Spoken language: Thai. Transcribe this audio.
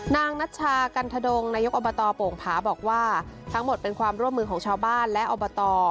นัชชากันทดงนายกอบตโป่งผาบอกว่าทั้งหมดเป็นความร่วมมือของชาวบ้านและอบต